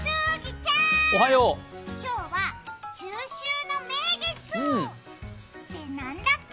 ちゃーん、今日は中秋の名月って何だっけ？